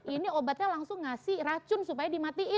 ini obatnya langsung ngasih racun supaya dimatiin